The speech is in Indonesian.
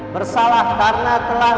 bersalah karena telah